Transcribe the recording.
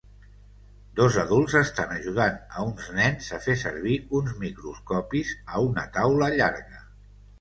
Dos adults estan ajudant a uns nens a fer servir uns microscopis a una taula llarga.